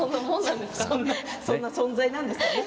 そんな存在なんですね。